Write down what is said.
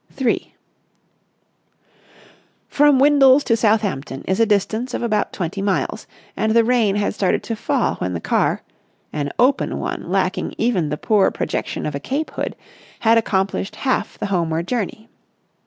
§ 3 From Windles to Southampton is a distance of about twenty miles; and the rain had started to fall when the car, an open one lacking even the poor protection of a cape hood, had accomplished half the homeward journey.